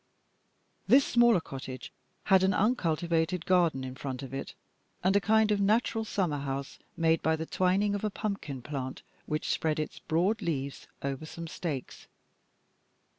This smaller cottage had an uncultivated garden in front of it, and a kind of natural summer house made by the twining of a pumpkin plant which spread its broad leaves over some stakes.